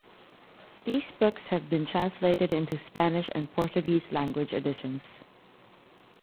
These books have been translated into Spanish and Portuguese language editions.